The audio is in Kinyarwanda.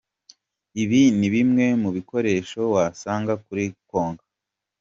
Ibi ni bimwe mu bikoresho wasanga kuri Konka.